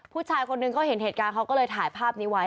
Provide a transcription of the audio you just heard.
ผู้ชายคนหนึ่งเขาเห็นเหตุการณ์เขาก็เลยถ่ายภาพนี้ไว้